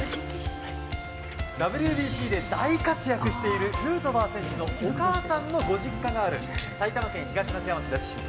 ＷＢＣで大活躍しているヌートバー選手のお母さんのご実家がある埼玉県東松山市です。